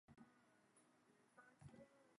If you will be our servant, we will be yours!